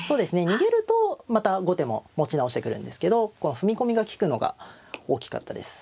逃げるとまた後手も持ち直してくるんですけど踏み込みが利くのが大きかったです。